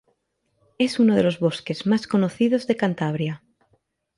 Es uno de los bosques más conocidos de Cantabria.